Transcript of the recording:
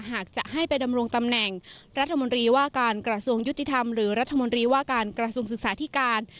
หากจะให้ไปดำรงตำแหน่งรัฐมนตรีว่าการกระทรวงยุติธรรมหรือรัฐมนตรีว่าการกระทรวงศึกษาธิการ